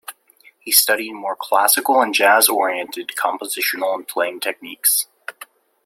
He studied more classical and jazz-oriented compositional and playing techniques.